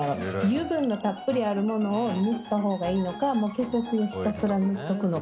油分のたっぷりあるものを塗った方がいいのかもう化粧水をひたすら塗っとくのか？